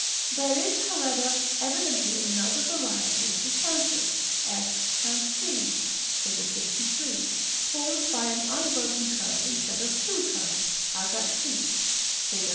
There is, however, evidently another variety of the chamfers, f and g, Fig. LIII., formed by an unbroken curve instead of two curves, as c, Fig.